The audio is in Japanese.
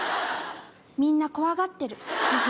みんな怖がってる。